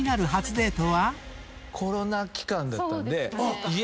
コロナ期間だったんで。